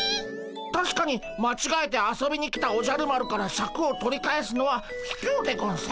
たしかにまちがえて遊びに来たおじゃる丸からシャクを取り返すのはひきょうでゴンス。